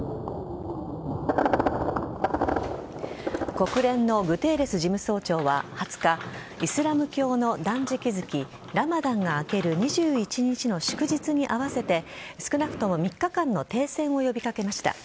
国連のグテーレス事務総長は２０日イスラム教の断食月ラマダンが明ける２１日の祝日に合わせて少なくとも３日間の停戦を呼び掛けました。